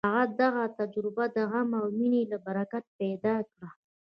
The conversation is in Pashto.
هغه دغه تجربه د غم او مینې له برکته پیدا کړه